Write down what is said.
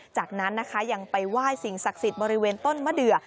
จากนั้นนะคะยังไปไหว้สิ่งศักดิ์สิทธิ์บริเวณต้นมะเดือ